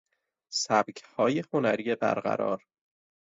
سبکهای هنری برقرار